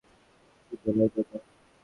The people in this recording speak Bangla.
সুদলাই, দাদা।